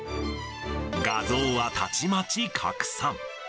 画像はたちまち拡散。